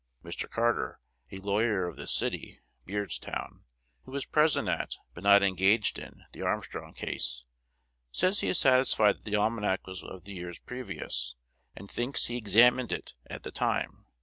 Mr. Carter, a lawyer of this city (Beardstown), who was present at, but not engaged in, the Armstrong case, says he is satisfied that the almanac was of the year previous, and thinks he examined it at the time.